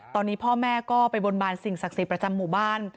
ตอนนี้พ่อแม่ก็ไปบนบานสิ่งศักดิ์สิทธิ์ประจำหมู่บ้าน